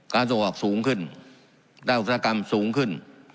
ส่งออกสูงขึ้นด้านอุตสาหกรรมสูงขึ้น